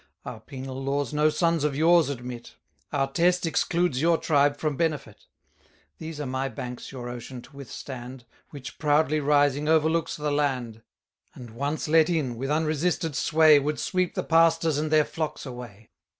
Our penal laws no sons of yours admit, Our Test excludes your tribe from benefit. 830 These are my banks your ocean to withstand, Which, proudly rising, overlooks the land; And, once let in, with unresisted sway, Would sweep the pastors and their flocks away.